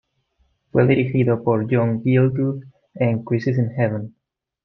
Fue dirigido por John Gielgud en "Crisis in Heaven".